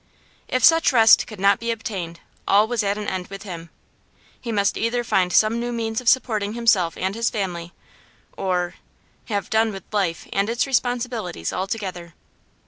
If such rest could not be obtained all was at an end with him. He must either find some new means of supporting himself and his family, or have done with life and its responsibilities altogether.